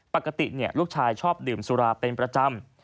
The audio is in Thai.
ปกติลูกชายชอบดื่มสุราเป็นประจำ